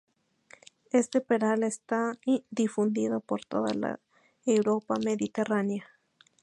Este peral está difundido por toda la Europa mediterránea.